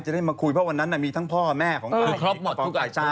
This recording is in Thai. จะได้มาคุยว่าวันนั้นก็มีทั้งพ่อแม่ของเฮียก์